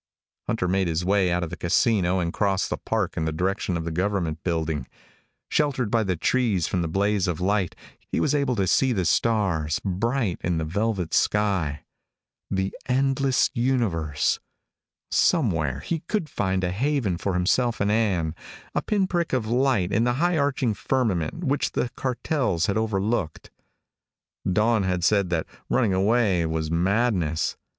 Hunter made his way out of the casino and crossed the park in the direction of the government building. Sheltered by the trees from the blaze of light, he was able to see the stars, bright in the velvet sky. The endless universe! Somewhere he could find a haven for himself and Ann, a pinprick of light in the high arching firmament which the cartels had overlooked. Dawn had said that running away was madness.